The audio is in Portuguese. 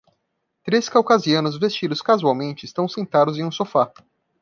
Três caucasianos vestidos casualmente estão sentados em um sofá.